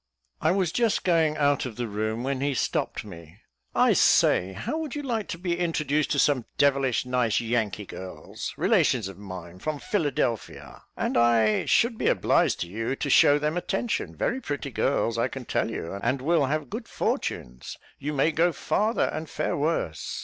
I was just going out of the room when he stopped me "I say, how should you like to be introduced to some devilish nice Yankee girls, relations of mine, from Philadelphia? and I should be obliged to you to show them attention; very pretty girls, I can tell you, and will have good fortunes you may go farther and fare worse.